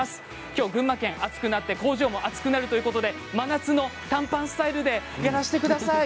きょう群馬県暑くなって工場も暑くなるということで真夏の短パンスタイルでやらせてください